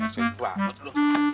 sering banget lu